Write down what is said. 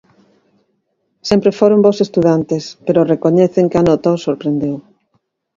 Sempre foron bos estudantes, pero recoñecen que a nota os sorprendeu.